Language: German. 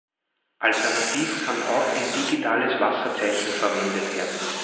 Alternativ kann auch ein digitales Wasserzeichen verwendet werden.